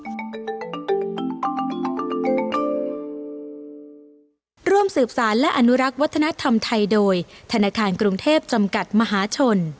ร่วมสืบสารและอนุรักษ์วัฒนธรรมไทยโดยธนาคารกรุงเทพจำกัดมหาชน